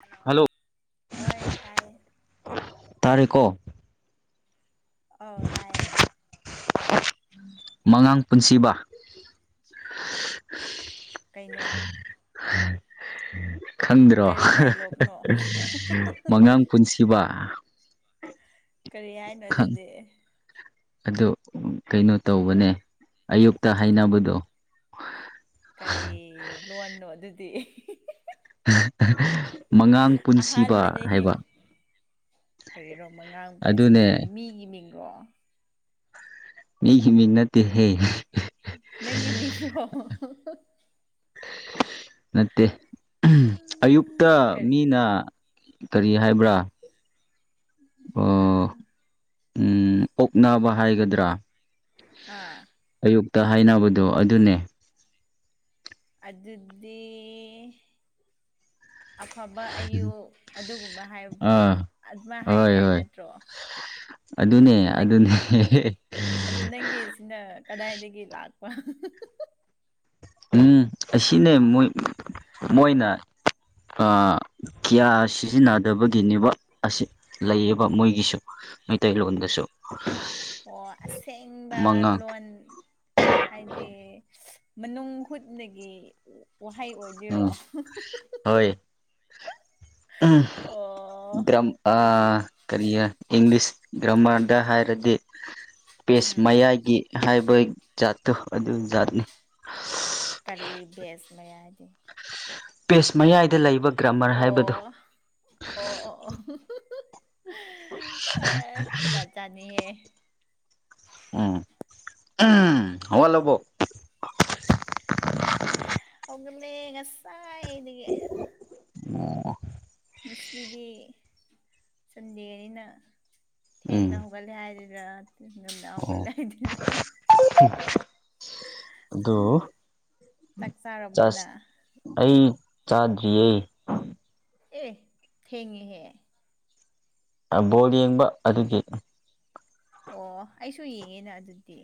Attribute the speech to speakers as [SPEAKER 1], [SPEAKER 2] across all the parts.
[SPEAKER 1] Hello ꯍꯣꯏ ꯇꯥꯏ
[SPEAKER 2] ꯇꯔꯤꯀꯣ
[SPEAKER 1] ꯑꯣ ꯇꯥꯏꯌꯦ
[SPEAKER 2] ꯃꯉꯥꯡ ꯄꯨꯟꯁꯤꯕ
[SPEAKER 1] ꯀꯩꯅꯣ
[SPEAKER 2] ꯈꯪꯗ꯭ꯔꯣ
[SPEAKER 1] ꯀꯔꯤ ꯗꯥꯏꯂꯣꯛꯅꯣ
[SPEAKER 2] ꯃꯉꯥꯡ ꯄꯨꯟꯁꯤꯕ
[SPEAKER 1] ꯀꯔꯤ ꯍꯥꯏꯅꯣ ꯑꯗꯨꯗꯤ
[SPEAKER 2] ꯑꯗꫭ ꯀꯩꯅꯣ ꯇꯧꯕꯅꯦ ꯑꯌꯨꯛꯇ ꯍꯥꯏꯅꯕꯗꯣ
[SPEAKER 1] ꯀꯔꯤ ꯂꯣꯟꯅꯣ ꯑꯗꯨꯗꯤ
[SPEAKER 2] ꯃꯉꯥꯡ ꯄꯨꯟꯁꯤꯕ
[SPEAKER 1] ꯑꯍꯥꯟꯕꯅꯦꯍꯦ
[SPEAKER 2] ꯍꯥꯏꯕ
[SPEAKER 1] ꯀꯔꯤꯔꯣ ꯑꯉꯥꯡ ꯄꯨꯟꯁꯤꯕ ꯍꯥꯏꯗꯤ
[SPEAKER 2] ꯑꯗꯨꯅꯦ
[SPEAKER 1] ꯃꯤꯒꯤ ꯃꯤꯡꯔꯣ
[SPEAKER 2] ꯃꯤꯒꯤ ꯃꯤꯡ ꯅꯠꯇꯦꯍꯦ
[SPEAKER 1] ꯅꯪꯒꯤ ꯃꯤꯡ ꯔꯣ
[SPEAKER 2] ꯅꯠꯇꯦ ꯑꯌꯨꯛꯇ
[SPEAKER 1] ꯀꯔꯤ
[SPEAKER 2] ꯃꯤꯅ ꯀꯔꯤ ꯍꯥꯏꯕ꯭ꯔꯥ
[SPEAKER 1] ꯑ
[SPEAKER 2] ꯎ ꯑꯣꯛꯅꯕ ꯍꯥꯏꯒꯗ꯭ꯔꯥ
[SPEAKER 1] ꯑꯥ
[SPEAKER 2] ꯑꯌꯨꯛꯇ ꯍꯥꯏꯅꯕꯗꯣ ꯑꯗꯨꯅꯦ
[SPEAKER 1] ꯑꯗꯨꯗꯤ ꯑꯐꯕ ꯑꯌꯨ ꯑꯗꯨꯒꯨꯝꯕ ꯍꯥꯏ
[SPEAKER 2] ꯑꯥ
[SPEAKER 1] ꯑꯗꯨꯃꯥꯏ
[SPEAKER 2] ꯍꯣꯏ
[SPEAKER 1] ꯍꯥꯏꯅꯤꯡꯉꯥꯏ
[SPEAKER 2] ꯍꯣꯏ
[SPEAKER 1] ꯅꯠꯇ꯭ꯔꯣ
[SPEAKER 2] ꯑꯗꯨꯅꯦ ꯑꯗꯨꯅꯦ
[SPEAKER 1] ꯑꯗꯨ ꯅꯪꯒꯤ ꯁꯤꯅ ꯀꯗꯥꯏꯗꯒꯤ ꯂꯥꯛꯄ
[SPEAKER 2] ꯎꯝ ꯑꯁꯤꯅꯦ ꯃꯣꯏ ꯃꯣꯏꯅ ꯀꯌꯥ ꯁꯤꯖꯤꯟꯅꯗꯕꯒꯤꯅꯦꯕ ꯑꯁꯤ ꯂꯩꯌꯦꯕ ꯃꯣꯏꯒꯤꯁꯨ ꯃꯩꯇꯩꯂꯣꯟꯗꯁꯨ
[SPEAKER 1] ꯑꯣ ꯑꯁꯦꯡꯕ
[SPEAKER 2] ꯃꯉꯥꯡ
[SPEAKER 1] ꯂꯣꯟ ꯍꯥꯏꯗꯤ ꯃꯅꯨꯡ ꯍꯨꯠꯅꯒꯤ ꯋꯥꯍꯩ
[SPEAKER 2] ꯎꯝ
[SPEAKER 1] ꯑꯣꯏꯗꯣꯏꯔꯣ
[SPEAKER 2] ꯍꯣꯏ ꯎꯝ
[SPEAKER 1] ꯑꯣ
[SPEAKER 2] [unintelligible] ꯑꯥ
[SPEAKER 1] ꯑꯁꯤ
[SPEAKER 2] ꯀꯔꯤ ꯏꯪꯂꯤꯁ ꯒ꯭ꯔꯥꯃꯥꯔꯗ ꯍꯥꯏꯔꯗꯤ ꯄꯦꯖ
[SPEAKER 1] ꯎꯝ
[SPEAKER 2] ꯃꯌꯥꯏꯒꯤ ꯍꯥꯏꯕꯣꯏ ꯖꯥꯠꯇꯣ ꯑꯗꯨ ꯖꯥꯠꯅꯤ
[SPEAKER 1] ꯀꯔꯤ ꯕꯦꯁ ꯃꯌꯥ ꯍꯥꯏꯗꯤ
[SPEAKER 2] ꯄꯦꯖ ꯃꯌꯥꯏꯗ ꯂꯩꯕ ꯒ꯭ꯔꯥꯃꯔ ꯍꯥꯏꯕꯗꯨ
[SPEAKER 1] ꯑꯣ ꯑꯣ ꯑꯣ ꯑꯣ [unintelligible] ꯑꯦ ꯖꯥꯠꯖꯥꯠꯅꯤꯌꯦ
[SPEAKER 2] ꯎꯝ ꯎ ꯍꯒꯜ ꯂꯕꯣ
[SPEAKER 1] ꯍꯧꯒ ꯂꯩ ꯉꯁꯥꯏꯗꯒꯤ
[SPEAKER 2] ꯑꯣ
[SPEAKER 1] ꯉꯁꯤꯗꯤ ꯁꯟꯗꯦꯅꯤꯅ ꯊꯦꯡꯅ
[SPEAKER 2] ꯎꯝ
[SPEAKER 1] ꯍꯧ ꯍꯧꯒꯠꯂ ꯍꯥꯏꯔꯤꯔꯥ
[SPEAKER 2] ꯑꯣ ꯑꯗꯨ
[SPEAKER 1] [unintelligible] ꯆꯥꯛ
[SPEAKER 2] ꯆꯥꯁ
[SPEAKER 1] ꯆꯥꯔꯕꫭꯅꯪ
[SPEAKER 2] ꯑꯩ ꯆꯥꯗ꯭ꯔꯤꯌꯦ
[SPEAKER 1] ꯑꯦ ꯊꯦꯡꯉꯤ ꯍꯦ
[SPEAKER 2] ꯕꯣꯜ ꯌꯦꯡꯕ ꯑꯗꯨꯒꯤ
[SPEAKER 1] ꯑꯣ ꯑꯩꯁꯨ ꯌꯦꯡꯉꯦꯅ ꯑꯗꯨꯗꯤ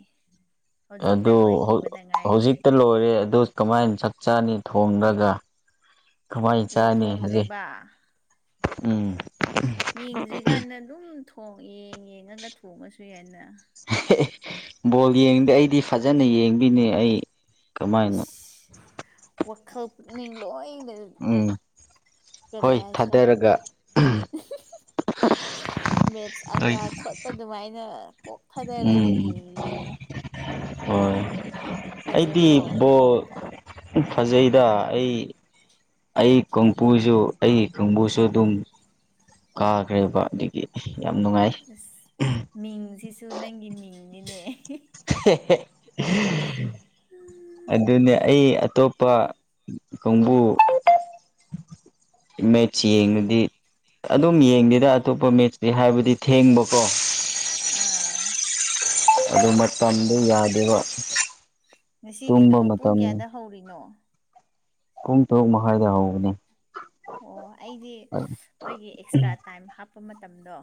[SPEAKER 1] ꯍꯧꯖꯤꯛꯇ
[SPEAKER 2] ꯑꯗꯨ
[SPEAKER 1] ꯂꯣꯏꯈꯤꯕꯗ ꯉꯥꯏꯔꯦ
[SPEAKER 2] ꯍꯧꯖꯤꯛꯇ ꯂꯣꯏꯔꯦ ꯑꯗꯨ ꯀꯃꯥꯏꯅ ꯆꯥꯛ ꯆꯥꯅꯤ ꯊꯣꯡꯂꯒ ꯀꯃꯥꯏꯅ
[SPEAKER 1] ꯑꯣ
[SPEAKER 2] ꯆꯥꯅꯤ ꯍꯧꯖꯤꯛ
[SPEAKER 1] ꯊꯣꯡꯗ꯭ꯔꯤꯕ
[SPEAKER 2] ꯎꯝ
[SPEAKER 1] ꯌꯦꯡꯗ꯭ꯔꯤꯀꯥꯟꯗ ꯑꯗꯨꯝ ꯊꯣꯡ ꯌꯦꯡ ꯌꯦꯡꯉꯒ ꯊꯣꯡꯉꯁꯨ ꯌꯥꯏꯅ
[SPEAKER 2] ꯕꯣꯜ ꯌꯦꯡꯗꯦ ꯑꯩꯗꯤ ꯐꯖꯅ ꯌꯦꯡꯕꯤꯅꯦ ꯑꯩ ꯀꯃꯥꯏꯅ
[SPEAKER 1] ꯏꯁ ꯋꯥꯈꯜ ꯄꯨꯛꯅꯤꯡ ꯂꯣꯏꯅ
[SPEAKER 2] ꯎꯝ
[SPEAKER 1] ꯇꯔꯤ
[SPEAKER 2] ꯍꯣꯏ
[SPEAKER 1] ꯍꯥꯏꯁꯤꯔ
[SPEAKER 2] ꯊꯥꯗꯔꯒ
[SPEAKER 1] ꯃꯦꯠꯁ ꯑꯪꯀꯥ ꯈꯣꯠꯄ ꯑꯗꯨꯃꯥꯏꯅ ꯀꯣꯛ ꯊꯗꯔꯒ
[SPEAKER 2] ꯎꯝ
[SPEAKER 1] ꯌꯦꯡꯉꯤꯅꯦ
[SPEAKER 2] ꯍꯣꯏ ꯑꯩꯗꯤ
[SPEAKER 1] ꯐꯖꯕ꯭ꯔꯣ
[SPEAKER 2] ꯕꯣꯜ ꯐꯖꯩꯗ ꯑꯩ ꯑꯩ ꯀꯣꯝꯄꯨꯁꯨ ꯑꯩ ꯀꯥꯡꯕꯨꯁꯨ ꯑꯗꯨꯝ ꯀꯥꯈ꯭ꯔꯦꯕ ꯑꯗꯒꯤ ꯌꯥꯝ ꯅꯨꯡꯉꯥꯏ
[SPEAKER 1] ꯑꯁ ꯃꯤꯡꯁꯤꯁꯨ ꯅꯪꯒꯤ ꯃꯤꯡꯅꯤꯅꯦ
[SPEAKER 2] [unintelligible] ꯑꯗꯨꯅꯤ ꯑꯩ ꯑꯇꯣꯞꯄ ꯈꯣꯡꯕꯨ ꯃꯠꯆ ꯌꯦꯡꯉꯗꯤ ꯑꯗꯨꯝ ꯌꯦꯡꯗꯦꯗ ꯑꯇꯣꯞꯄ ꯃꯦꯠꯔꯤ ꯍꯥꯏꯕꯗꯤ ꯊꯦꯡꯕꯀꯣ
[SPEAKER 1] ꯑꯥ
[SPEAKER 2] ꯑꯗꯨ ꯃꯇꯝꯗꯨ
[SPEAKER 1] ꯑꯣ
[SPEAKER 2] ꯌꯥꯗꯦꯕ ꯇꯨꯝꯕ
[SPEAKER 1] ꯉꯁꯤꯒꯤꯗꯣ ꯄꯨꯡ
[SPEAKER 2] ꯃꯇꯝ
[SPEAKER 1] ꯀꯌꯥꯗ ꯍꯧꯔꯤꯅꯣ
[SPEAKER 2] ꯄꯨꯡ ꯇꯔꯨꯛ ꯃꯈꯥꯏꯗ ꯍꯧꯕꯅꯦ
[SPEAKER 1] ꯑꯣ ꯑꯩꯗꯤ ꯃꯣꯏꯒꯤ ꯑꯦꯛꯁꯇ꯭ꯔꯥ ꯇꯥꯏꯝ ꯍꯥꯞꯄ ꯃꯇꯝꯗꯣ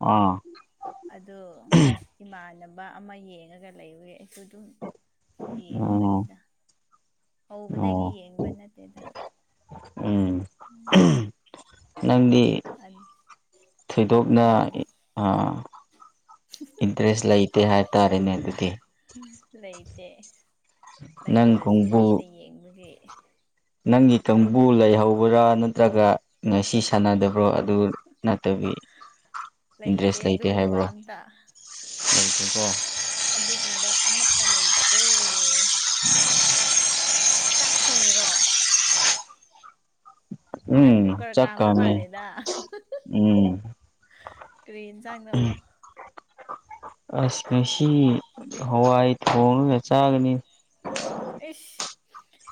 [SPEAKER 2] ꯑꯥ
[SPEAKER 1] ꯑꯗꯣ ꯏꯃꯥꯟꯅꯕ ꯑꯃ ꯌꯦꯡꯉꯒ ꯂꯩꯕꯒꯤ ꯑꯩꯁꯨ ꯑꯗꯨꯝ
[SPEAKER 2] ꯑꯣ
[SPEAKER 1] ꯌꯦꯡꯕꯅꯤꯗ ꯍꯧꯕꯗꯒꯤ
[SPEAKER 2] ꯑꯣ
[SPEAKER 1] ꯌꯦꯡꯕ ꯅꯠꯇꯦꯗ
[SPEAKER 2] ꯎꯝ ꯅꯪꯗꯤ ꯊꯣꯏꯗꯣꯛꯅ
[SPEAKER 1] ꯎꯝ
[SPEAKER 2] ꯑꯥ ꯏꯟꯇꯔꯦꯁ ꯂꯩꯇꯦ ꯍꯥꯏꯇꯥꯔꯦꯅꯦ ꯑꯗꯨꯗꯤ
[SPEAKER 1] ꯂꯩꯇꯦ
[SPEAKER 2] ꯅꯪ
[SPEAKER 1] ꯂꯩꯇ꯭ꯔꯁꯨ
[SPEAKER 2] ꯀꯥꯡꯕꯨ
[SPEAKER 1] ꯃꯤꯅ ꯌꯦꯡꯕꯒꯤ
[SPEAKER 2] ꯅꯪꯒꯤ ꯀꯥꯡꯕꯨ ꯂꯩꯍꯧꯕ꯭ꯔꯥ ꯅꯠꯇ꯭ꯔꯒ ꯉꯁꯤ ꯁꯥꯟꯅꯗꯕ꯭ꯔꯣ ꯑꯗꯨ ꯅꯠꯇꯕꯤ ꯏꯟꯇꯔꯦꯁ ꯂꯩꯇꯦ
[SPEAKER 1] ꯑꯗꯨꯒꯨꯝꯕ
[SPEAKER 2] ꯍꯥꯏꯕ꯭ꯔꯣ
[SPEAKER 1] ꯑꯝꯇ
[SPEAKER 2] ꯂꯩꯇꯦꯀꯣ
[SPEAKER 1] ꯑꯗꯨꯒꯨꯝꯕ ꯑꯃꯠꯇ ꯂꯩꯇꯦ ꯆꯥꯛ ꯊꯣꯡꯉꯦꯔꯣ ꯅꯪ
[SPEAKER 2] ꯎꯝ
[SPEAKER 1] ꯀꯨꯀꯔ ꯀꯥ
[SPEAKER 2] ꯆꯥꯛ
[SPEAKER 1] ꯑꯃ
[SPEAKER 2] ꯀꯥꯝꯃꯤ
[SPEAKER 1] ꯃꯥꯂꯦꯗ
[SPEAKER 2] ꯎꯝ
[SPEAKER 1] ꯀꯔꯤꯟ ꯆꯥꯡꯅ
[SPEAKER 2] ꯑꯁ ꯃꯁꯤꯁꯤ ꯍꯋꯥꯏ ꯊꯣꯡꯅꯅ ꯆꯥꯒꯅꯤ
[SPEAKER 1] ꯑꯩꯁ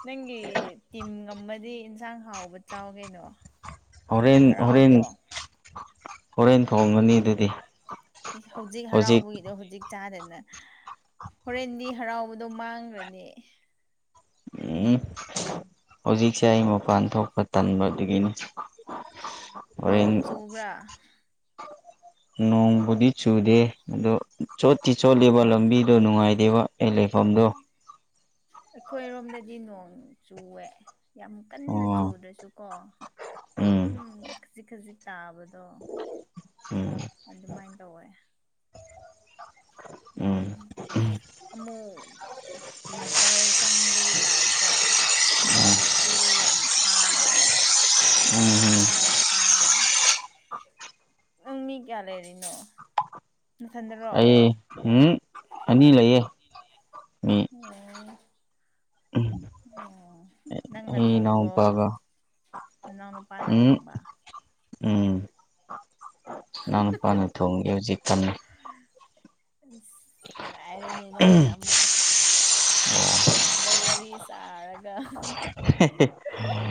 [SPEAKER 1] ꯅꯪꯒꯤ ꯇꯤꯝ ꯉꯝꯕꯗꯤ ꯏꯟꯁꯥꯡ ꯍꯥꯎꯕ ꯆꯥꯎ ꯀꯩꯅꯣ
[SPEAKER 2] ꯍꯣꯔꯦꯟ ꯍꯣꯔꯦꯟ
[SPEAKER 1] ꯍꯔꯥꯎꯗ꯭ꯔꯣ
[SPEAKER 2] ꯍꯣꯔꯦꯟ ꯊꯣꯡꯒꯅꯤ ꯑꯗꯨꯗꯤ
[SPEAKER 1] ꯍꯧꯖꯤꯛ ꯍꯔꯥꯎꯕꯒꯤꯗꯣ ꯍꯧꯖꯤꯛ ꯆꯥꯗꯅ ꯍꯣꯔꯦꯟꯗꯤ ꯍꯔꯥꯎꯕꯗꯣ ꯃꯥꯡꯈ꯭ꯔꯅꯤ
[SPEAKER 2] ꯎꯝ ꯍꯧꯖꯤꯛꯁꯦ ꯑꯩ ꯃꯄꯥꯟ ꯊꯣꯛꯄ ꯇꯟꯕꯗꯨꯗꯒꯤꯅꯤ ꯍꯣꯔꯦꯟ
[SPEAKER 1] ꯅꯣꯡ ꯆꯨꯕ꯭ꯔꯥ
[SPEAKER 2] ꯅꯣꯡꯕꯨꯗꯤ ꯆꯨꯗꯦ ꯑꯗꯣ ꯆꯣꯠꯇꯤ ꯆꯣꯠꯂꯤꯕ ꯂꯝꯕꯤꯗꯣ ꯅꯨꯡꯉꯥꯏꯇꯦꯕ ꯑꯦꯂꯤ ꯐꯣꯟꯣꯟꯗꯣ
[SPEAKER 1] ꯑꯩꯈꯣꯏꯔꯣꯝꯗꯗꯤ ꯅꯣꯡ ꯆꯨꯋꯦ ꯌꯥꯝ ꯀꯟꯅ
[SPEAKER 2] ꯑꯣ
[SPEAKER 1] ꯆꯨꯗ꯭ꯔꯁꯨꯀꯣ
[SPEAKER 2] ꯎꯝ
[SPEAKER 1] ꯑꯗꯨꯝ ꯈꯖꯤꯛ ꯈꯖꯤꯛ ꯇꯥꯕꯗꯣ
[SPEAKER 2] ꯎꯝ
[SPEAKER 1] ꯑꯗꯨꯃꯥꯏꯅ ꯇꯧꯋꯦ
[SPEAKER 2] ꯎꯝ
[SPEAKER 1] ꯑꯃꯨꯛ ꯋꯤꯟꯇꯔ ꯆꯪꯕꯒꯤ ꯇꯥꯏꯞꯇ ꯂꯩꯆꯤꯜ ꯌꯥꯝ ꯊꯥꯕꯗꯣ
[SPEAKER 2] ꯎꯝ ꯎꯝ
[SPEAKER 1] ꯃꯥꯏ ꯊꯔ ꯎ ꯃꯤ ꯀꯌꯥ ꯂꯩꯔꯤꯅꯣ ꯅꯊꯟꯗꯔꯣ
[SPEAKER 2] ꯑꯩ ꯍꯨꯝ ꯑꯅꯤ ꯂꯩꯌꯦ ꯃꯤ
[SPEAKER 1] ꯑꯣ ꯑꯣ ꯅꯪꯅ
[SPEAKER 2] ꯑꯩ
[SPEAKER 1] ꯊꯣꯡꯕ꯭ꯔꯣ
[SPEAKER 2] ꯏꯅꯥꯎꯄꯥꯒ
[SPEAKER 1] ꯏꯅꯥꯎ ꯅꯨꯄꯥꯅ
[SPEAKER 2] ꯎꯝ
[SPEAKER 1] ꯊꯣꯡꯕ
[SPEAKER 2] ꯎꯝ ꯅꯥꯎꯅꯨꯄꯥꯅ ꯊꯣꯡꯉꯦ ꯍꯧꯖꯤꯛ ꯀꯟꯅ
[SPEAKER 1] ꯑꯁ ꯅꯨꯡꯉꯥꯏꯔꯦꯅꯦ ꯅꯪꯅ ꯑꯃꯨꯛ ꯐꯣꯟꯗ ꯋꯥꯔꯤ ꯁꯥꯔꯒ ꯍꯪ ꯍꯪ ꯍꯪ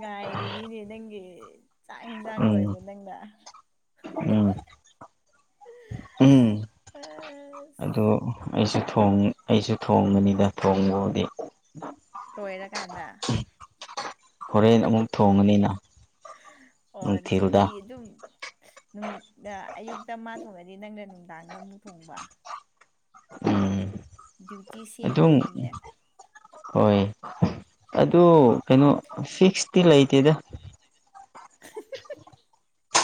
[SPEAKER 1] ꯉꯥꯏꯔꯤꯅꯤꯅꯦ ꯅꯪꯒꯤ ꯆꯥꯛ ꯌꯦꯟꯁꯥꯡ
[SPEAKER 2] ꯎꯝ
[SPEAKER 1] ꯂꯣꯏꯕ ꯅꯪꯅ
[SPEAKER 2] ꯎꯝ ꯎꯝ
[SPEAKER 1] ꯑꯝ
[SPEAKER 2] ꯑꯗꯨ ꯑꯩꯁꯨ ꯑꯩꯁꯨ ꯊꯣꯡꯕꯅꯤꯗ ꯊꯣꯡꯕꯕꯨꯗꯤ
[SPEAKER 1] ꯀꯣꯏꯔ ꯀꯥꯟꯗ
[SPEAKER 2] ꯍꯣꯔꯦꯟ ꯑꯃꯨꯛ ꯊꯣꯡꯉꯅꯤꯅ
[SPEAKER 1] ꯑꯣ
[SPEAKER 2] ꯅꯨꯡꯊꯤꯜꯗ
[SPEAKER 1] ꯑꯗꯨꯗꯤ ꯑꯗꯨꯝ ꯑꯌꯨꯛꯇ ꯃꯥ ꯊꯣꯡꯉꯗꯤ ꯅꯪꯅ ꯅꯨꯡꯗꯥꯡꯗ ꯑꯃꯨꯛ ꯊꯣꯡꯕ
[SPEAKER 2] ꯎꯝ
[SPEAKER 1] ꯗ꯭ꯌꯨꯇꯤ
[SPEAKER 2] ꯑꯗꯨꯝ
[SPEAKER 1] ꯁꯦꯝꯃꯤꯅꯤꯅꯦ
[SPEAKER 2] ꯍꯣꯏ ꯑꯗꯨ ꯀꯩꯅꯣ ꯁꯤꯛꯁ ꯅꯨꯄꯤ ꯂꯩꯇꯦꯗ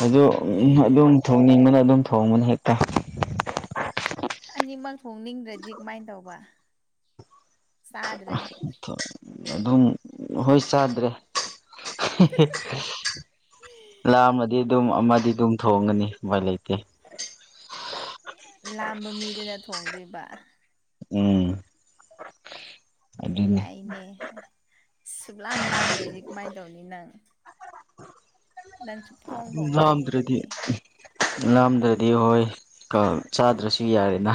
[SPEAKER 2] ꯑꯗꯨ ꯑꯗꯨꯝ ꯊꯣꯡꯅꯤꯡꯕꯅ ꯑꯗꯨꯝ ꯊꯣꯡꯕꯅ ꯍꯦꯛꯇ
[SPEAKER 1] ꯑꯅꯤꯃꯛ ꯊꯣꯡꯅꯤꯡꯗ꯭ꯔꯗꯤ ꯀꯃꯥꯏꯅ ꯇꯧꯕ ꯆꯥꯗ꯭ꯔꯦ
[SPEAKER 2] ꯑꯗꯨꯝ ꯍꯣꯏ ꯆꯥꯗ꯭ꯔꯦ ꯍꯦ ꯍꯦ ꯂꯥꯃꯗꯤ ꯑꯗꯨꯝ ꯑꯃꯗꯤ ꯑꯗꯨꯝ ꯊꯣꯡꯒꯅꯤ ꯃꯣꯢ ꯂꯩꯇꯦ꯫
[SPEAKER 1] ꯂꯥꯝꯕ ꯃꯤꯗꯨꯅ ꯊꯣꯡꯗꯣꯏꯕ꯫
[SPEAKER 2] ꯎꯝ꯫ ꯑꯗꯨꯅꯤ
[SPEAKER 1] ꯌꯥꯏꯅꯦ ꯁꯨꯛꯂꯥꯝ ꯂꯥꯝꯗ꯭ꯔꯗꯤ ꯀꯃꯥꯏꯅ ꯇꯧꯅꯤ ꯅꯪ꯫ ꯅꯪ ꯁꯨꯛꯊꯣꯡ ꯊꯣꯡꯅꯔꯣꯏꯅꯦ
[SPEAKER 2] ꯂꯥꯝꯗ꯭ꯔꯗꯤ
[SPEAKER 1] ꯑꯗꯨꯗꯤ꯫
[SPEAKER 2] ꯂꯥꯝꯗ꯭ꯔꯗꯤ ꯍꯣꯏ ꯀ ꯆꯥꯗ꯭ꯔꯁꯨ ꯌꯥꯔꯦꯅ꯫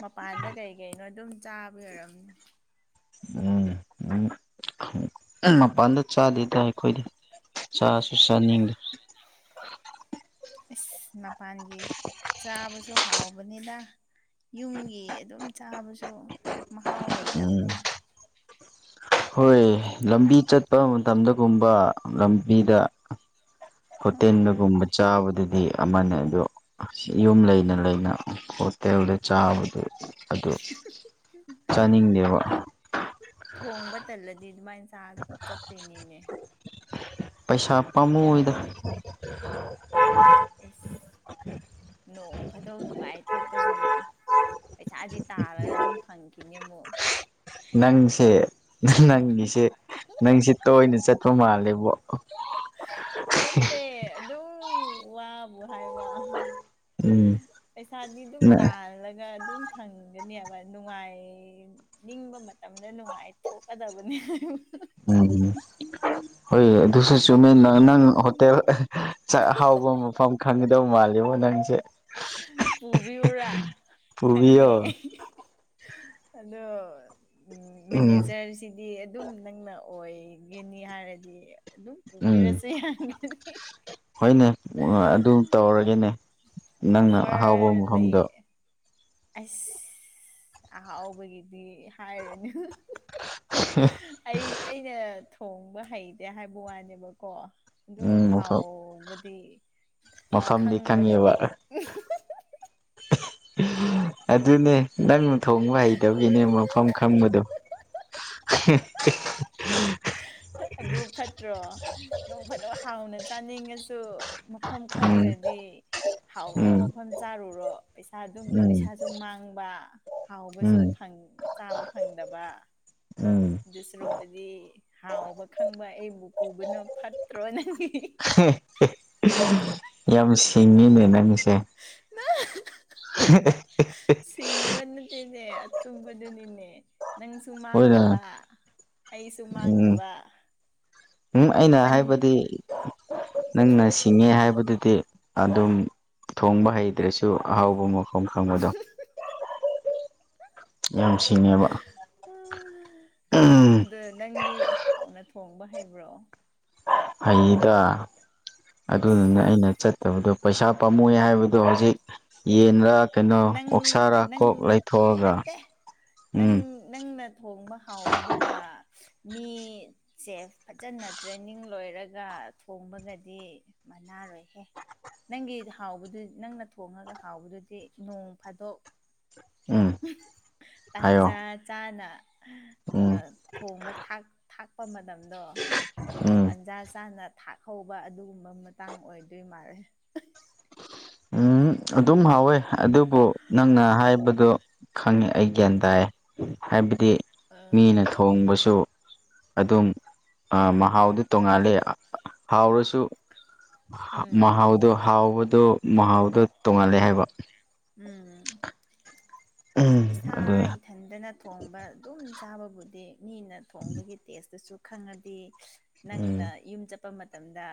[SPEAKER 1] ꯃꯄꯥꯟꯗ ꯀꯩ ꯀꯩꯅꯣ ꯑꯗꯨꯝ ꯆꯥꯕ ꯑꯣꯏꯔꯝꯅꯤ꯫
[SPEAKER 2] ꯎꯝ꯫ ꯃꯄꯥꯟꯗ ꯆꯥꯗꯦꯗ ꯑꯩꯈꯣꯏꯗꯤ ꯆꯥꯁꯨ ꯆꯥꯅꯤꯡꯗꯤ꯫
[SPEAKER 1] ꯏꯁ ꯃꯄꯥꯟꯒꯤ ꯆꯥꯕꯁꯨ ꯍꯥꯎꯕꯅꯤꯗ꯫ ꯌꯨꯝꯒꯤ ꯑꯗꯨꯝ ꯆꯥꯕꯁꯨ ꯃꯍꯥꯎ
[SPEAKER 2] ꯎꯝ
[SPEAKER 1] ꯂꯩꯇꯕꯅꯦꯗ꯫
[SPEAKER 2] ꯍꯣꯏ ꯂꯝꯕꯤ ꯆꯠꯄ ꯃꯇꯝꯗꯒꯨꯝꯕ ꯂꯝꯕꯤꯗ
[SPEAKER 1] ꯎꯝ
[SPEAKER 2] ꯍꯣꯇꯦꯟꯕꯒꯨꯝꯕ ꯆꯥꯕꯗꯗꯤ ꯑꯃꯅꯦ ꯑꯗꯣ ꯌꯨꯝ ꯂꯩꯅ ꯂꯩꯅ ꯍꯣꯇꯦꯜꯗ ꯆꯥꯕꯗꯨ ꯑꯗꯨ꯫ ꯆꯥꯅꯤꯡꯗꯦꯕ
[SPEAKER 1] [unintelligible] ꯊꯣꯡꯕ ꯇꯜꯂꯗꯤ ꯑꯗꯨꯃꯥꯏꯅ ꯆꯥ ꯆꯠꯇꯣꯏꯅꯤꯅꯦ꯫
[SPEAKER 2] ꯄꯩꯁꯥ ꯄꯥꯝꯃꯨꯢꯗ
[SPEAKER 1] ꯌꯥꯗ꯭ꯔꯣ ꯑꯦꯁ ꯅꯣꯡ ꯐꯥꯗꯣꯛ ꯅꯨꯡꯉꯥꯏ ꯊꯣꯛꯄꯁꯤꯕꯨ꯫ ꯄꯩꯁꯥꯗꯤ ꯇꯥꯔꯒ ꯑꯗꯨꯝ ꯐꯪꯈꯤꯅꯤ ꯑꯃꯨꯛ꯫
[SPEAKER 2] ꯅꯪꯁꯦ ꯅꯪꯒꯤꯁꯦ ꯅꯪꯁꯦ ꯇꯣꯏꯅ ꯆꯠꯄ ꯃꯥꯜꯂꯦꯕꯣ꯫
[SPEAKER 1] ꯅꯠꯇꯦ ꯑꯗꯨꯝ ꯋꯥꯕꯨ ꯍꯥꯏꯕ꯫
[SPEAKER 2] ꯎꯝ
[SPEAKER 1] ꯄꯩꯁꯥꯗꯤ ꯑꯗꯨꯝ ꯇꯥꯜꯂꯒ ꯑꯗꯨꯝ ꯐꯪꯒꯅꯦꯕ ꯅꯨꯡꯉꯥꯏ ꯅꯤꯡꯕ ꯃꯇꯝꯗ ꯅꯨꯡꯉꯥꯏ ꯊꯣꯛꯀꯗꯕꯅꯦ ꯍꯥ ꯍꯥ
[SPEAKER 2] ꯎꯝ ꯍꯣꯏ ꯑꯗꯨꯁꯨ ꯆꯨꯝꯃꯦ ꯅꯪ ꯅꯪ ꯍꯣꯇꯦꯜ ꯑꯍꯥ ꯆꯥꯛ ꯍꯥꯎꯕ ꯃꯐꯝ ꯈꯪꯒꯗꯧ ꯃꯥꯜꯂꯤꯕꯣ ꯅꯪꯁꯦ꯫
[SPEAKER 1] ꯄꯨꯕꯤꯌꯣꯔꯥ ꯈꯪꯉꯦ
[SPEAKER 2] ꯄꯨꯕꯤꯌꯣ
[SPEAKER 1] ꯑꯗꯣ ꯎ
[SPEAKER 2] ꯎꯝ
[SPEAKER 1] ꯃꯦꯅꯦꯖꯔꯁꯤꯡ ꯗꯤ ꯑꯗꯨꯝ ꯅꯪꯅ ꯑꯣꯏꯒꯅꯤ ꯍꯥꯏꯔꯗꯤ ꯑꯗꯨꯝ
[SPEAKER 2] ꯎꯝ
[SPEAKER 1] ꯄꯨꯕꯤꯔꯁ ꯌꯥꯒꯅꯤ
[SPEAKER 2] ꯍꯣꯏꯅꯦ ꯑꯗꯨ ꯇꯧꯔꯒꯦꯅꯦ ꯅꯪꯅ ꯑꯍꯥꯎꯕ
[SPEAKER 1] ꯑꯣꯐꯔ
[SPEAKER 2] ꯃꯐꯝꯗꯣ
[SPEAKER 1] ꯂꯩ ꯑꯁ ꯑꯍꯥꯎꯕꯒꯤꯗꯤ ꯍꯥꯏꯔꯨꯅꯦ ꯑꯩ ꯑꯩꯅ ꯊꯣꯡꯕ ꯍꯩꯇꯦ ꯍꯥꯏꯕ ꯋꯥꯅꯦꯕꯀꯣ ꯑꯗꯨꯝ
[SPEAKER 2] ꯎꯝ ꯃꯐꯝ
[SPEAKER 1] ꯍꯥꯎꯕꯗꯤ
[SPEAKER 2] ꯃꯐꯝꯗꯤ
[SPEAKER 1] ꯈꯪꯕꯗꯣ
[SPEAKER 2] ꯈꯪꯉꯦꯕ ꯑꯗꯨꯅꯦ ꯅꯪꯅ ꯊꯣꯡꯕ ꯍꯩ ꯀꯗꯧꯒꯤꯅꯦ ꯃꯐꯝ ꯈꯪꯕꯗꯣ [unintelligible]
[SPEAKER 1] ꯑꯗꯨ ꯐꯠꯇ꯭ꯔꯣ ꯅꯣꯡ ꯐꯗꯣ ꯍꯥꯎꯅ ꯆꯥꯅꯤꯡꯉꯁꯨ ꯃꯐꯝ
[SPEAKER 2] ꯎꯝ
[SPEAKER 1] ꯈꯪꯗ꯭ꯔꯗꯤ ꯍꯥꯎꯗꯕ
[SPEAKER 2] ꯎꯝ
[SPEAKER 1] ꯃꯐꯝ ꯆꯥꯔꯨꯔꯣ꯫ ꯄꯩꯁꯥ ꯑꯗꯨꯝ
[SPEAKER 2] ꯎꯝ
[SPEAKER 1] ꯄꯩꯁꯥꯁꯨ ꯃꯥꯡꯕ ꯍꯥꯎꯕꯁꯨ
[SPEAKER 2] ꯎꯝ
[SPEAKER 1] ꯐꯪ ꯆꯥꯕ ꯐꯪꯗꯕ
[SPEAKER 2] ꯎꯝ
[SPEAKER 1] ꯑꯗꯨ ꯁꯨꯔꯨꯛꯄꯨꯗꯤ ꯍꯥꯎꯕ ꯈꯪꯕ ꯑꯩꯕꯨ ꯄꯨꯕꯅ ꯐꯠꯇ꯭ꯔꯣꯅꯪ ꯍꯤ ꯍꯤ꯫
[SPEAKER 2] ꯍꯦ [inaudible] ꯌꯥꯝ ꯁꯤꯡꯉꯤꯅꯦ ꯅꯪꯁꯦ꯫
[SPEAKER 1] [unintelligible] ꯁꯤꯡꯕ ꯅꯠꯇꯦꯅꯦ ꯑꯆꯨꯝꯕꯗꯨꯅꯤꯅꯦ ꯅꯪ ꯁꯨ
[SPEAKER 2] ꯍꯣꯏꯅ
[SPEAKER 1] ꯃꯥꯡꯗꯕ ꯑꯩꯁꯨ
[SPEAKER 2] ꯎꯝ
[SPEAKER 1] ꯃꯥꯡꯗꯕ꯫
[SPEAKER 2] ꯎꯝ ꯑꯩꯅ
[SPEAKER 1] ꯑꯅꯤ
[SPEAKER 2] ꯍꯥꯏꯕꯗꯤ꯫ ꯅꯪꯅ ꯁꯤꯡꯉꯦ ꯍꯥꯏꯕꯗꯨꯗꯤ ꯑꯗꯨꯝ ꯊꯣꯡꯕ ꯍꯩ ꯑꯗꯨ꯭ꯔꯁꯨ ꯑꯍꯥꯎꯕ ꯃꯐꯝ ꯈꯪꯕꯗꯣ ꯌꯥꯝ ꯁꯤꯡꯉꯦꯕ ꯎꯝ
[SPEAKER 1] ꯗ ꯅꯪꯗꯤ ꯍꯥꯎꯅ ꯊꯣꯡꯕ ꯍꯩꯕ꯭ꯔꯣ
[SPEAKER 2] ꯍꯩꯗ ꯑꯗꯨꯅꯅꯦ ꯑꯩꯅ ꯆꯠ ꯇꯕꯗꯣ ꯄꯩꯁꯥ ꯄꯥꯝꯃꯨꯏꯌꯦ ꯍꯥꯏꯕꯗꯣ ꯍꯧꯖꯤꯛ ꯌꯦꯟꯔꯥ ꯀꯩꯅꯣ
[SPEAKER 1] ꯅꯪ
[SPEAKER 2] ꯑꯣꯛꯁꯥꯔꯥ
[SPEAKER 1] ꯅꯪ
[SPEAKER 2] ꯀꯣꯛ ꯂꯩꯊꯣꯛꯑꯒ
[SPEAKER 1] ꯅꯠꯇꯦ ꯅꯪ
[SPEAKER 2] ꯎꯝ
[SPEAKER 1] ꯅꯪꯅ ꯊꯣꯡꯕ ꯍꯥꯎꯕꯗꯨꯒ ꯃꯤ ꯆꯦꯞ ꯐꯖꯅ ꯇ꯭ꯔꯦꯅꯤꯡ ꯂꯣꯏꯔꯒ ꯊꯣꯡꯕꯒꯗꯤ ꯃꯅꯥꯔꯣꯏꯍꯦ ꯅꯪꯒꯤꯠ ꯍꯥꯎꯕꯗꯨ ꯅꯪꯅ ꯊꯣꯡꯉꯒ ꯍꯥꯎꯕꯗꯨꯗꯤ ꯅꯣꯡ ꯐꯥꯗꯣꯛ
[SPEAKER 2] ꯎꯝ ꯍꯥꯏꯌꯣ
[SPEAKER 1] ꯇꯥꯟꯖꯥ ꯆꯥꯅ ꯑ
[SPEAKER 2] ꯎꯝ
[SPEAKER 1] ꯊꯣꯡꯕ ꯊꯥꯛ ꯊꯥꯛꯄ ꯃꯇꯝꯗꯣ
[SPEAKER 2] ꯎꯝ
[SPEAKER 1] ꯇꯟꯖꯥ ꯆꯥꯅ ꯊꯥꯛꯍꯧꯕ ꯑꯗꯨꯒꯨꯝꯕ ꯃꯇꯥꯡ ꯑꯣꯏꯗꯣꯏ ꯃꯥꯜꯂꯦ
[SPEAKER 2] ꯎꯝ ꯑꯗꯨꯝ ꯍꯥꯎꯋꯦ ꯑꯗꯨꯕꯨ ꯅꯪꯅ ꯍꯥꯏꯕꯗꯣ ꯈꯪꯉꯦ ꯑꯩ ꯒ꯭ꯌꯥꯟ ꯇꯥꯏ ꯍꯥꯏꯕꯗꯤ
[SPEAKER 1] ꯑ
[SPEAKER 2] ꯃꯤꯅ ꯊꯣꯡꯕꯁꯨ ꯑꯗꯨꯝ ꯑ ꯃꯍꯥꯎꯗꯨ ꯇꯣꯡꯉꯥꯜꯂꯦ ꯍꯥꯎꯔꯁꯨ ꯍꯥꯎ
[SPEAKER 1] ꯎꯝ
[SPEAKER 2] ꯃꯍꯥꯎꯗꯣ ꯍꯥꯎꯕꯗꯣ ꯃꯍꯥꯎꯗꯣ ꯇꯣꯡꯉꯥꯜꯂꯦ ꯍꯥꯏꯕ
[SPEAKER 1] ꯎꯝ
[SPEAKER 2] ꯎꯝ
[SPEAKER 1] ꯏꯁꯥ
[SPEAKER 2] ꯑꯗꯨ
[SPEAKER 1] ꯏꯊꯟꯗꯅ ꯊꯣꯡꯕ ꯑꯗꯨꯝ ꯆꯥꯕꯕꯨꯗꯤ ꯃꯤꯅ ꯊꯣꯡꯕꯒꯤ ꯇꯦꯁꯇꯨꯁꯨ ꯈꯪꯉꯗꯤ
[SPEAKER 2] ꯎꯝ
[SPEAKER 1] ꯅꯪꯅ ꯌꯨꯝ ꯆꯠꯄ ꯃꯇꯝꯗ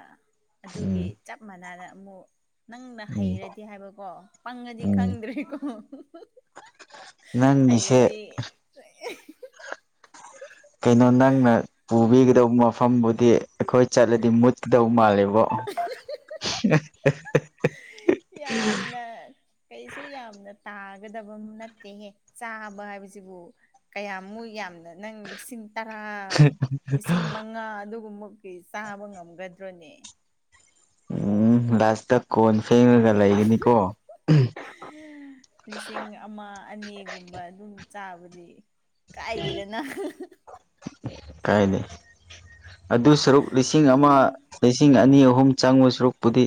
[SPEAKER 2] ꯎꯝ
[SPEAKER 1] ꯑꯗꯨꯒꯤ ꯆꯞ ꯃꯥꯟꯅꯅ ꯑꯃꯨꯛ ꯅꯪꯅ
[SPEAKER 2] ꯎꯝ
[SPEAKER 1] ꯍꯩꯔꯗꯤ ꯍꯥꯏꯕꯀꯣ ꯄꯪꯉꯗꯤ
[SPEAKER 2] ꯎꯝ
[SPEAKER 1] ꯈꯪꯗ꯭ꯔꯦꯀꯣ
[SPEAKER 2] [unintelligible] ꯅꯪꯒꯤꯁꯦ
[SPEAKER 1] [unintelligible]
[SPEAKER 2] ꯀꯩꯅꯣ ꯅꯪꯅ ꯄꯨꯕꯤꯒꯗꯧꯕ ꯃꯐꯝꯕꯨꯗꯤ ꯑꯩꯈꯣꯏ ꯆꯠꯂꯗꯤ ꯃꯨꯠꯀꯗꯧ ꯃꯥꯜꯂꯦꯕꯣ
[SPEAKER 1] ꯌꯥꯝꯅ ꯀꯩꯁꯨ ꯌꯥꯝꯅ ꯇꯥꯒꯗꯕ ꯅꯠꯇꯦꯍꯦ ꯆꯥꯕ ꯍꯥꯏꯕꯁꯤꯕꯨ ꯀꯌꯥꯃꯨꯛ ꯌꯥꯝꯅ ꯅꯪ ꯂꯤꯁꯤꯡ ꯇꯔꯥ ꯂꯤꯁꯤꯡ ꯃꯉꯥ ꯑꯗꯨꯒꯨꯝꯕ ꯀꯩ ꯆꯥꯕ ꯉꯝꯒꯗ꯭ꯔꯣꯅꯦ
[SPEAKER 2] ꯎꯝ ꯂꯥꯁꯇ ꯀꯣꯟ ꯐꯦꯡꯉꯒ ꯂꯩꯒꯅꯤꯀꯣ
[SPEAKER 1] ꯂꯤꯁꯤꯡ ꯑꯃ ꯑꯅꯤꯒꯨꯝꯕ ꯑꯗꯨꯝ ꯆꯥꯕꯗꯤ ꯀꯥꯏꯗꯦꯗꯅ
[SPEAKER 2] ꯀꯥꯏꯗꯦ ꯑꯗꯨ ꯁꯔꯨꯛ ꯂꯤꯁꯤꯡ ꯑꯃ
[SPEAKER 1] ꯎꯝ
[SPEAKER 2] ꯂꯤꯁꯤꯡ ꯑꯅꯤ ꯑꯍꯨꯝ ꯆꯪꯕ ꯁꯔꯨꯛꯄꯨꯗꯤ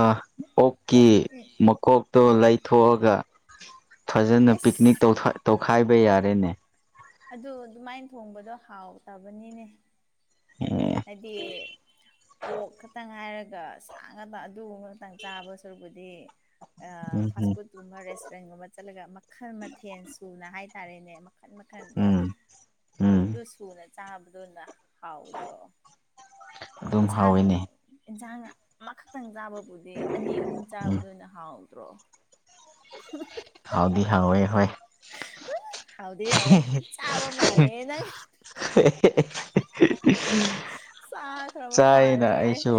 [SPEAKER 2] ꯑ ꯑꯣꯛꯀꯤ
[SPEAKER 1] ꯎꯝ
[SPEAKER 2] ꯃꯀꯣꯛꯇꯣ
[SPEAKER 1] ꯎꯝ
[SPEAKER 2] ꯂꯩꯊꯣꯛꯑꯒ ꯐꯖꯅ ꯄꯤꯛꯅꯤꯛ
[SPEAKER 1] ꯑꯁ
[SPEAKER 2] ꯇꯧꯊꯥꯏ ꯇꯧꯈꯥꯏꯕ ꯌꯥꯔꯦꯅꯦ
[SPEAKER 1] ꯑꯗꯨ ꯑꯗꯨꯃꯥꯏꯟ ꯊꯣꯡꯕꯗꯣ ꯍꯥꯎꯇꯕꯅꯤꯅꯦ
[SPEAKER 2] [unintelligible]
[SPEAKER 1] ꯍꯥꯏꯗꯤ ꯄꯣꯛ ꯈꯛꯇꯪ ꯍꯥꯏꯔꯒ ꯁꯥ ꯉꯥꯇ ꯑꯗꯨꯒꯨꯝꯕꯇꯪ ꯆꯥꯕ ꯁꯔꯨꯛꯄꯨꯗꯤ ꯗꯤ ꯑ
[SPEAKER 2] ꯎꯝ
[SPEAKER 1] ꯐꯥꯁ
[SPEAKER 2] ꯎꯝ
[SPEAKER 1] ꯐꯨꯗ ꯇꯨꯃꯔ ꯔꯦꯁꯇꯨꯔꯦꯟꯒꯨꯝꯕ ꯆꯠꯂꯒ ꯃꯈꯜ ꯃꯊꯦꯜ ꯁꯨꯅ ꯍꯥꯏꯇꯥꯔꯦꯅꯦ ꯃꯈꯟ ꯃꯈꯟ
[SPEAKER 2] ꯎꯝ ꯎꯝ
[SPEAKER 1] ꯑꯗꯨ ꯁꯨꯅ ꯆꯥꯕꯗꯨꯅ ꯍꯥꯎꯇ꯭ꯔꯣ
[SPEAKER 2] ꯑꯗꯨꯝ
[SPEAKER 1] ꯏꯟꯁꯥꯡ
[SPEAKER 2] ꯍꯥꯎꯋꯤꯅꯦ
[SPEAKER 1] ꯏꯟꯁꯥꯡ ꯑꯃꯈꯛꯇꯪ ꯆꯥꯕ ꯕꯨꯗꯤ ꯑꯅꯤ ꯑꯍꯨꯝ
[SPEAKER 2] ꯎꯝ
[SPEAKER 1] ꯆꯥꯕꯗꯨꯅ ꯍꯥꯎꯇ꯭ꯔꯣ
[SPEAKER 2] ꯍꯥꯎꯗꯤ ꯍꯥꯎꯋꯦ ꯍꯣꯏ
[SPEAKER 1] ꯍꯧꯎꯗꯤ ꯍꯥꯎꯋꯦ ꯑꯗꯨꯝ ꯆꯥꯕ ꯃꯥꯜꯂꯦ ꯅꯪ
[SPEAKER 2] [unintelligible]
[SPEAKER 1] ꯆꯥꯈ꯭ꯔꯕ
[SPEAKER 2] ꯆꯥꯏꯌꯦꯅ
[SPEAKER 1] ꯃꯥꯜꯂꯦ
[SPEAKER 2] ꯑꯩꯁꯨ